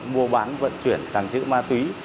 mua bán vận chuyển trắng giữ ma túy